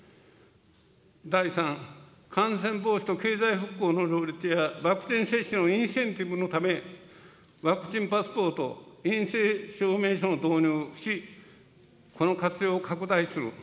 第３、感染防止と経済復興の両立や、ワクチン接種のインセンティブのため、ワクチンパスポート、陰性証明書を導入し、この活用を拡大する。